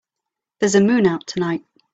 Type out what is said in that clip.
There's a moon out tonight.